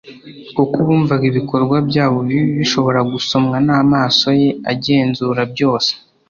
kuko bumvaga ibikorwa byabo bibi bishobora gusomwa n'amaso ye agenzura byose.